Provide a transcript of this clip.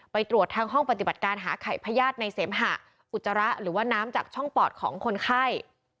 ไปตรวจทางห้องปฏิบัติการหาไข่พญาติในเสมหะอุจจาระหรือว่าน้ำจากช่องปอดของคนไข้